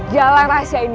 jalan rahasia ini